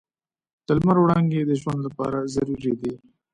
د لمر وړانګې د ژوند لپاره ضروري دي.